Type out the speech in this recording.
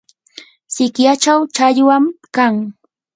sikyachaw challwam kan.